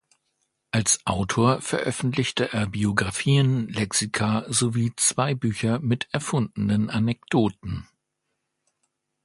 Als Autor veröffentlichte er Biografien, Lexika sowie zwei Bücher mit erfundenen Anekdoten.